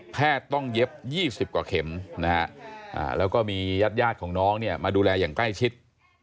แพทย์ต้องเย็บ๒๐กว่าเข็มนะฮะแล้วก็มีญาติของน้องเนี่ยมาดูแลอย่างใกล้ชิด